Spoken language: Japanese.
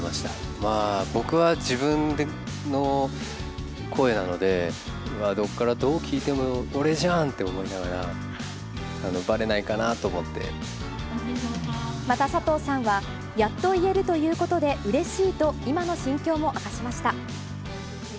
まあ、僕は自分の声なので、どっからどう聞いても俺じゃんって思いながら、ばれないかなと思また佐藤さんは、やっと言えるということでうれしいと、今の心境も明かしました。